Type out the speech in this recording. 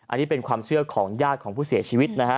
อันนี้เป็นความเชื่อของญาติของผู้เสียชีวิตนะฮะ